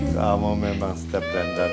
kamu memang step dandan